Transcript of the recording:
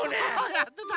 やってた。